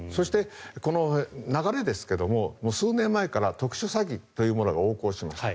この流れですが数年前から特殊詐欺というものが横行しました。